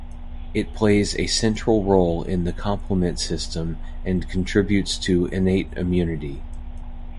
It plays a central role in the complement system and contributes to innate immunity.